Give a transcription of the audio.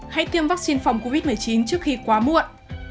hãy tiêm vắc xin phòng covid một mươi chín trước khi quá muộn